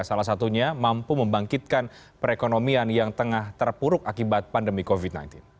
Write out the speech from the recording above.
salah satunya mampu membangkitkan perekonomian yang tengah terpuruk akibat pandemi covid sembilan belas